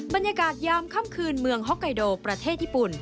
ยามค่ำคืนเมืองฮอกไกโดประเทศญี่ปุ่น